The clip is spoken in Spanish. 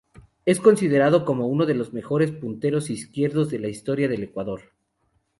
Es considerado como uno de los mejores punteros izquierdos de la historia del Ecuador.